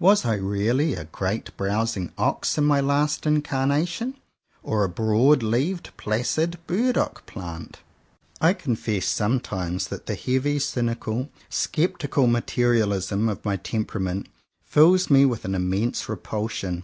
Was I really a great browsing ox in my last incarnation, or a broad leaved placid burdock plant? I confess sometimes that the heavy, cynical, sceptical materialism of my tem perament fills me with an immense repul sion.